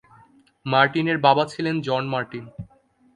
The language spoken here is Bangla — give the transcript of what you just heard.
মার্টিনের বাবা ছিলেন জন মার্টিন।